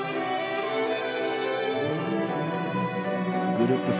グループ５